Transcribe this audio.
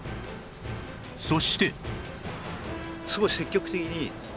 そして